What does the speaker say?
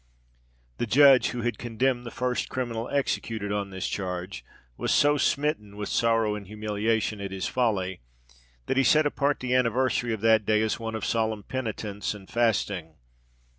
The judge who had condemned the first criminal executed on this charge, was so smitten with sorrow and humiliation at his folly, that he set apart the anniversary of that day as one of solemn penitence and fasting.